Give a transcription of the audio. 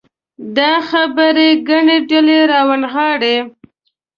دا خبرې ګڼې ډلې راونغاړي.